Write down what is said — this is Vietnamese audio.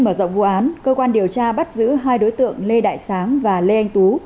mở rộng vụ án cơ quan điều tra bắt giữ hai đối tượng lê đại sáng và lê anh tú